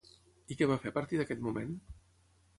I què va fer a partir d'aquest moment?